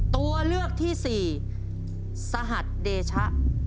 ตัวเลือกที่สี่สหัสเดชะ